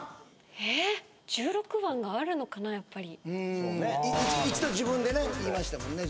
えっ１６番があるのかなやっぱりうん一度自分でね言いましたもんね